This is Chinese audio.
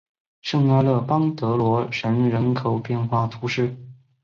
圣阿勒邦德罗什人口变化图示